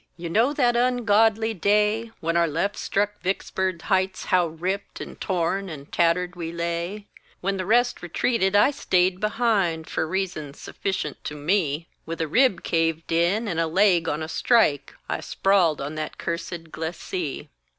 You know that ungodly day When our left struck Vicksburg Heights, how ripped And torn and tattered we lay. When the rest retreated I stayed behind, Fur reasons sufficient to me, With a rib caved in, and a leg on a strike, I sprawled on that cursed glacee.